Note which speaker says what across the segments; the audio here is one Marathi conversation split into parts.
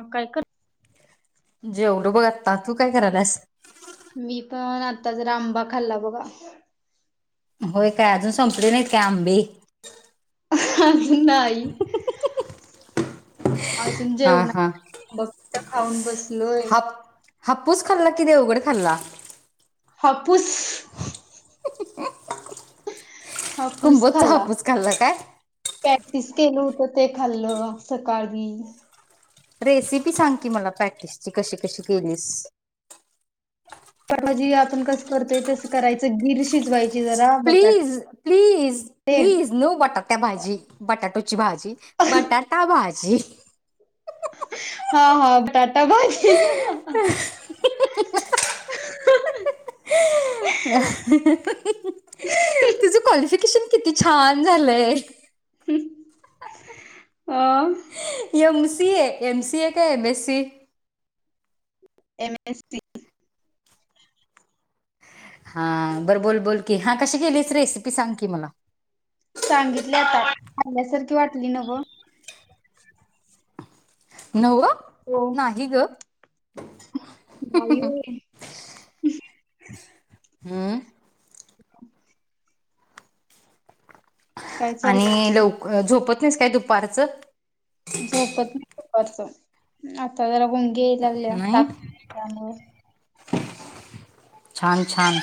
Speaker 1: म काय कर
Speaker 2: जेवलो बघ आत्ता तू काय कराल्यास?
Speaker 1: मी पण आता जरा आंबा खाल्ला बघा
Speaker 2: होय काय अजून संपले नाहीत? का आंबे?
Speaker 1: अजून नाही. अजून
Speaker 2: हा
Speaker 1: जेवणा
Speaker 2: हा
Speaker 1: फक्त खाऊन बसलोय
Speaker 2: हाप हापूस खाल्ला की देवघड खाल्ला
Speaker 1: हापूस [inaudible]
Speaker 2: कुंबोजचा हापूस खाल्ला काय?
Speaker 1: पॅटीस केलं होतं ते खाल्लं सकाळी
Speaker 2: रेसिपी सांग की मला पॅटिसची कशी? कशी? केलीस?
Speaker 1: [unintelligible] आपण कसं करतोय तसं करायचं गिर शिजवाय
Speaker 2: प्लीज प्लीज
Speaker 1: ते
Speaker 2: प्लीज नो बट त्या भाजी बटाटो ची भाजी बटाटा भाजी [unintelligible]
Speaker 1: हा हा बटा
Speaker 2: [unintelligible] तुझ काॅलीक्फिकेशन किती छान झालंय?
Speaker 1: ह आ..
Speaker 2: M C A M C A का एम एससी
Speaker 1: एमएससी
Speaker 2: हा बरं बोल बोल की, हा कशी केलीस? रेसिपी सांग की मला.
Speaker 1: सांगितल्या आता खाल्यासारखी वाटली नव्हं
Speaker 2: नव्हं
Speaker 1: हो
Speaker 2: नाही गं
Speaker 1: [unintelligible]
Speaker 2: हम्म
Speaker 1: [inaudible] काय
Speaker 2: आणि
Speaker 1: चाललंय
Speaker 2: लव--झोपत [unintelligible] दुपारचं
Speaker 1: झोपत दुपारचं आता जरा गुंगी लाल्या
Speaker 2: नाही.
Speaker 1: टाक [unintelligible]
Speaker 2: छान छान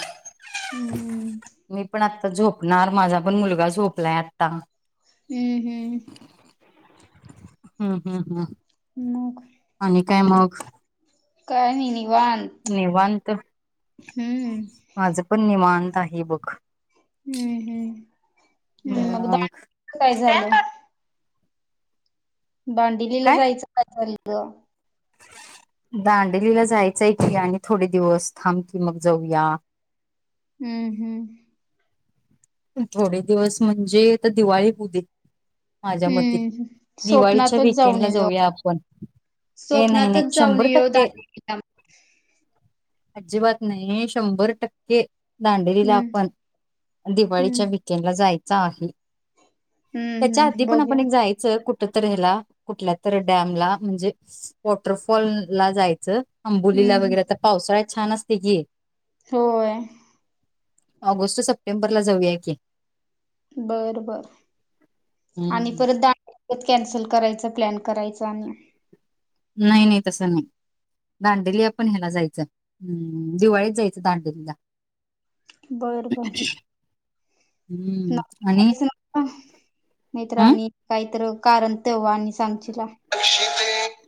Speaker 1: हम्म
Speaker 2: मी पण आत्ता झोपणार, माझा पण मुलगा झोपलाय आत्ता.
Speaker 1: हम्म हम्म.
Speaker 2: हम्म हम्म हम्म.
Speaker 1: मग
Speaker 2: आणि काय मग
Speaker 1: काय निनी
Speaker 2: निवांत.
Speaker 1: हम्म
Speaker 2: माझ पण निवां त आहे बग.
Speaker 1: हम्म हम्म हम्म. मग [unintelligible] काय झालं? दाडिलीला
Speaker 2: काय
Speaker 1: जायचं काजल. द
Speaker 2: दांडलीला जायचंय की, आणि थोडे दिवस थांब की मग जाऊया.
Speaker 1: हम्म हम्म.
Speaker 2: थोडे दिवस म्हणजे, आता दिवाळी हूदे. माझ्यामते
Speaker 1: हम्म
Speaker 2: दिवाळीच्या
Speaker 1: स्वप्नातच जाऊन
Speaker 2: विकेंडला
Speaker 1: येऊया
Speaker 2: जाऊया आपण, हे नाही नाही
Speaker 1: स्वप्नातच जाऊन
Speaker 2: शंभर
Speaker 1: येऊ
Speaker 2: टक्के.
Speaker 1: दांडिलीला
Speaker 2: अज्जिबात नाही शंभर टक्के. दांडेलीला
Speaker 1: हम्म
Speaker 2: आपण
Speaker 1: हम्म
Speaker 2: दिवाळीच्या विकेंडला जा जायचा आहे.
Speaker 1: हम्म
Speaker 2: त्याच्या
Speaker 1: हम्म
Speaker 2: आधी पण
Speaker 1: बघूया
Speaker 2: आपण एक जायचं, कुठ कुठतर ह्याला, कुठल्यातरी डॅम ला म्हणजे, वॉटरफॉल ला जायचं.
Speaker 1: हम्म
Speaker 2: अंबोलीला
Speaker 1: हम्म
Speaker 2: वगैरे आता पावसाळ्या छान असते की.
Speaker 1: होय
Speaker 2: ऑगस्ट स सप्टेंबर ला जाऊया की.
Speaker 1: बर बर आणि
Speaker 2: हम्म
Speaker 1: परत आणि परत कॅन्सल करायच प्लॅन करायच आणि
Speaker 2: नाही नाही तसं नाही. दांडेलीला आपण ह्याला जायचं हम् दिवाळीत जायचं दांडेलीला.
Speaker 1: बर बर. नकी
Speaker 2: हम्म आणि
Speaker 1: फिक्स नव्हं का? नाही तर
Speaker 2: हम्
Speaker 1: आणि कायतर कारण तेव्हा आणि सांगशीला.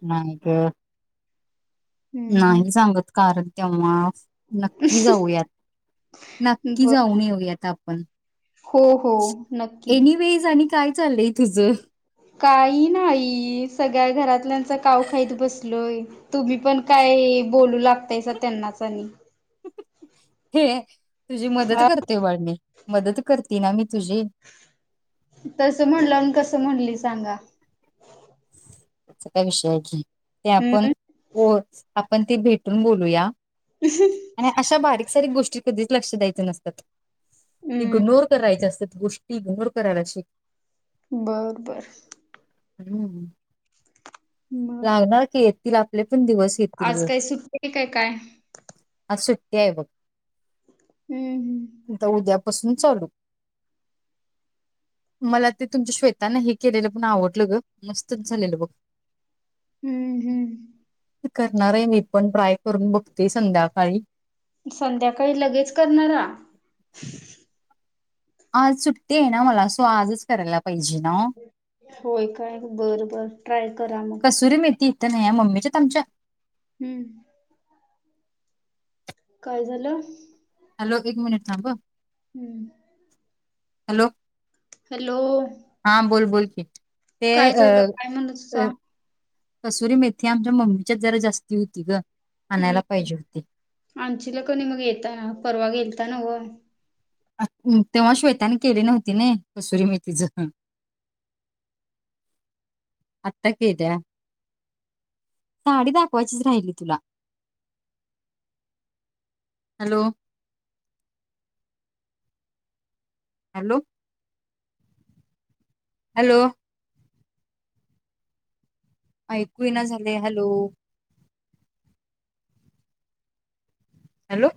Speaker 2: नाही ग
Speaker 1: हम्म
Speaker 2: नाही
Speaker 1: हम्म
Speaker 2: सांगत कारण तेव्हा नक्की जाऊयात नक्की
Speaker 1: बर
Speaker 2: जाऊन येऊयात आपण पण
Speaker 1: हो हो नक्की
Speaker 2: एनीवेज आणि काय चालय तुझं
Speaker 1: काही नाही सगळ्या घरातल्यांचा काव खाईत ब तुम्ही पण काय बोलू लागतायसा त्यांनाच आणि
Speaker 2: हे तुझी मदत
Speaker 1: अ
Speaker 2: करते बाळ मी मदत करते ना मी तुझी
Speaker 1: तस म्हणलं आणि कसं म्हणली सांगा
Speaker 2: तेच काय विषय अडलय. ते आपण
Speaker 1: हम्म
Speaker 2: कोच आ पण ते भेटून बोलूया. आणि असं बारीक सारीक गोष्टीत कधीच लक्ष द्यायचं नसतात.
Speaker 1: हम्म
Speaker 2: इग्नोर करायचे असत्यात गोष्टी इग्नोर करायला शिक
Speaker 1: बर बर
Speaker 2: हम्म हम्म
Speaker 1: मग
Speaker 2: लागणार की ही आपले पण दिवस येतील
Speaker 1: आज
Speaker 2: ग
Speaker 1: काय सुट्टी आहे काय काय
Speaker 2: अस ते बघ
Speaker 1: हम्म हम्म
Speaker 2: पासून चालू मला ते तुमच्या श्वेतान हे केलेलं पण आवडलं ग मस थंच झालेल बघ
Speaker 1: हम्म हम्म
Speaker 2: करणार आहे मी पण ट्राय करून बघते संध्याकाळी.
Speaker 1: संध्याकाळी लगेच करणारा
Speaker 2: आज सुट्टी आहे ना मला सो आजच करायला पाहिजे ना.
Speaker 1: होय काय बर बर, ट्राय करा मग.
Speaker 2: थ नाही या मम्मीच्यात आमच्या
Speaker 1: हम्म काय झालं?
Speaker 2: हॅलो एक मिनिट थांब
Speaker 1: हम्म
Speaker 2: हॅलो
Speaker 1: हॅलो.
Speaker 2: हा [unintelligible]
Speaker 1: काय
Speaker 2: अ
Speaker 1: झालं काय म्हणलं
Speaker 2: अ
Speaker 1: तुझा - -
Speaker 2: कसुरी मेथी आमच्या मम्मीच्यात जरा जास्ती होती गं
Speaker 1: हम् आणचीला कणी मग येताना परवा गेल - - ता नव्हं.
Speaker 2: तेव्हा श्वेताने केली नव्हती नई कसुरी मेतीच आता केल्या. साडी दाखवायचीच राहिली तुला. हॅलो. हॅलो. हॅलो. ऐकू येइना झालय. हॅलो. हॅलो.